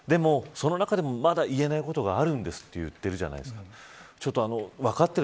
その中でも、まだ言えないことはあるんですといっているじゃないですか。